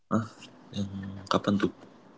hah yang kapan tuh